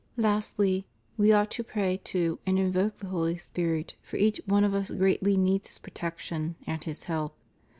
Lastly, we ought to pray to and invoke the Holy Spirit, for each one of us greatly needs His protection and His help.